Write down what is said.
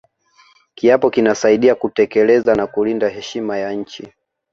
kiapo kinasaidia kutekeleza na kulinda heshima ya nchi